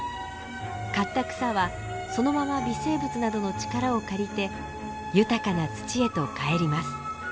刈った草はそのまま微生物などの力を借りて豊かな土へと返ります。